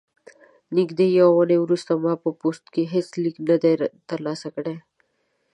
نږدې یوه اونۍ وروسته ما په پوسټ کې هیڅ لیک نه دی ترلاسه کړی.